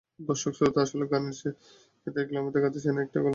দর্শক-শ্রোতারা আসলে গানের ক্ষেত্রে গ্ল্যামার দেখতে চায় না, একটা গল্প দেখতে চায়।